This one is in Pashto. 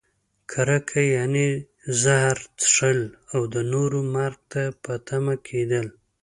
کرکه؛ یعنې زهر څښل او د نورو مرګ ته په تمه کیدل.